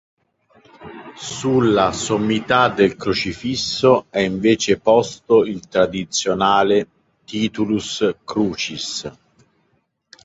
Sulla sommità del crocifisso è invece posto il tradizionale "titulus crucis".